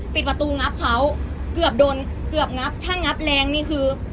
ปิดประตูงับเขาเกือบโดนเกือบงับถ้างับแรงนี่คือ